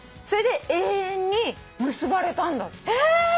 それで永遠に結ばれたんだって。え！